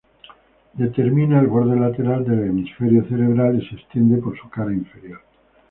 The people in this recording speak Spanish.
Determina el borde lateral del hemisferio cerebral y se extiende por su cara inferior.